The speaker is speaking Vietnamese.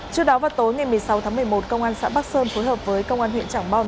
trước đó vào tối ngày một mươi sáu tháng một mươi một công an xã bắc sơn phối hợp với công an huyện trảng bom